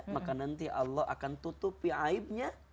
maka nanti allah akan tutupi aibnya